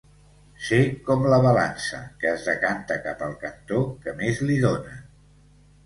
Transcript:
Ser com la balança, que es decanta cap al cantó que més li donen.